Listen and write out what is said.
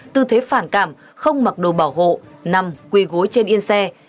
tư thế phản cảm không mặc đồ bảo hộ nằm quỳ gối trên yên xe